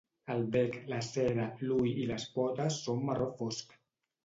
El bec, la cera, l'ull i les potes són marró fosc.